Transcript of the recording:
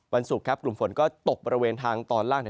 ศุกร์ครับกลุ่มฝนก็ตกบริเวณทางตอนล่าง